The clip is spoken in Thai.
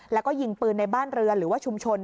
แล้วก็ยิงปืนในบ้านเรือนหรือว่าชุมชน